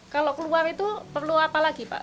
kalau keluar itu perlu apa lagi pak